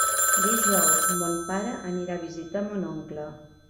Dijous mon pare anirà a visitar mon oncle.